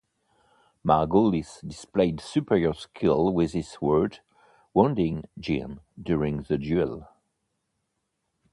Margulis displayed superior skill with his sword, wounding Jin during the duel.